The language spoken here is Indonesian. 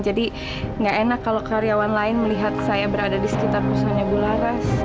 jadi gak enak kalau karyawan lain melihat saya berada di sekitar pusannya bulares